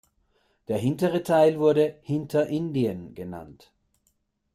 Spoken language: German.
Der hintere Teil wurde „Hinterindien“ genannt.